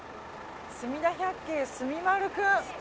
すみだ百景すみまるくん。